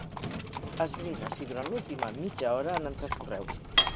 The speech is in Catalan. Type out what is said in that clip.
Esbrina si durant l'última mitja hora han entrat correus.